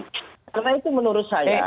karena itu menurut saya